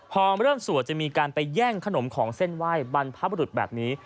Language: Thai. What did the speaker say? พอเริ่มสวดจะมีการไปแย่งขนมของเส้นไหว้บรรพบรุษแบบนี้